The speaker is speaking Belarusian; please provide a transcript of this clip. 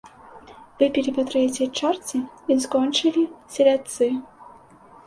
Выпілі па трэцяй чарцы і скончылі селядцы.